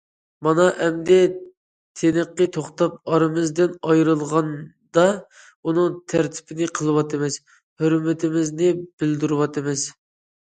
مانا ئەمدى تىنىقى توختاپ، ئارىمىزدىن ئايرىلغاندا ئۇنىڭ تەرىپىنى قىلىۋاتىمىز، ھۆرمىتىمىزنى بىلدۈرۈۋاتىمىز.